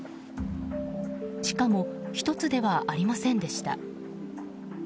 しかも１つではありませんでした。